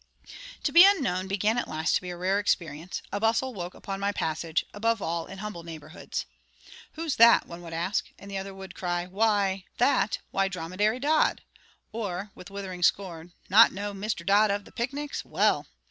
To be unknown began at last to be a rare experience; a bustle woke upon my passage; above all, in humble neighbourhoods. "Who's that?" one would ask, and the other would cry, "That! Why, Dromedary Dodd!" or, with withering scorn, "Not know Mr. Dodd of the Picnics? Well!"